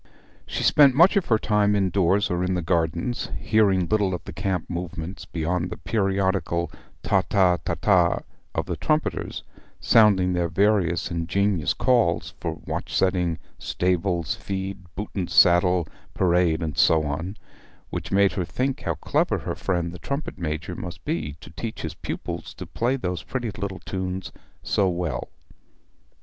She spent much of her time indoors or in the garden, hearing little of the camp movements beyond the periodical Ta ta ta taa of the trumpeters sounding their various ingenious calls for watch setting, stables, feed, boot and saddle, parade, and so on, which made her think how clever her friend the trumpet major must be to teach his pupils to play those pretty little tunes so well.